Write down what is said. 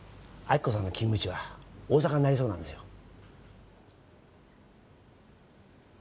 亜希子さんの勤務地は大阪になりそうなんですよ